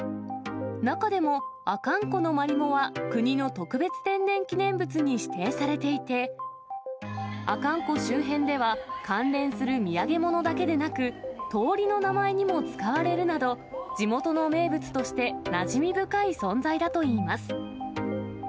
中でも、阿寒湖のマリモは国の特別天然記念物に指定されていて、阿寒湖周辺では、関連する土産物だけでなく、通りの名前にも使われるなど、地元の名物として、なじみ深い存在だといいます。